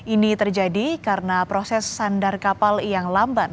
ini terjadi karena proses sandar kapal yang lamban